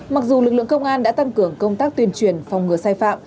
mặc dù lực lượng công an đã tăng cường công tác tuyên truyền phòng ngừa sai phạm